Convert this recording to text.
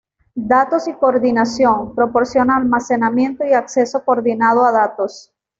Datos y coordinación, proporciona almacenamiento y acceso coordinado a datos.